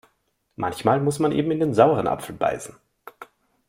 Manchmal muss man eben in den sauren Apfel beißen.